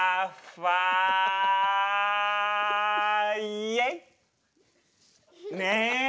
イエイ！ねえ。